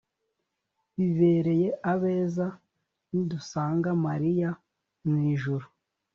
bibereye abeza, nidusanga mariya mu ijuru